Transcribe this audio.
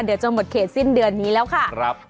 เดี๋ยวจะหมดเขตสิ้นเดือนนี้แล้วค่ะ